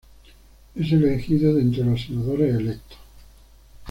Es elegido de entre los senadores electos.